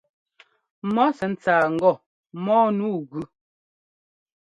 Mɔ sɛ́ ńtsáa ŋgɔ mɔ́ɔ nu gʉ.